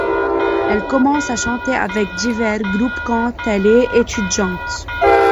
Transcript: Elle commence à chanter avec divers groupes quand elle est étudiante.